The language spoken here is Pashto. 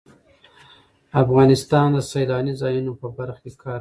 افغانستان د سیلاني ځایونو په برخه کې کار کوي.